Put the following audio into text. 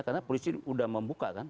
karena polisi sudah membuka kan